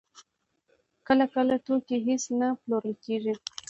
کله کله توکي هېڅ نه پلورل کېږي